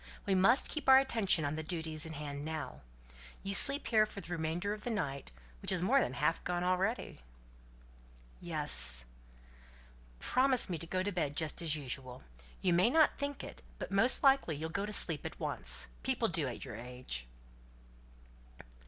We must keep our attention on the duties in hand now. You sleep here for the remainder of the night, which is more than half gone already?" "Yes." "Promise me to go to bed just as usual. You may not think it, but most likely you'll go to sleep at once. People do at your age."